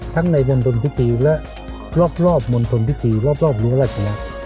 ทั้งในมนตรวนพิธีและรอบมนตรวนพิธีรอบรัวราชนัก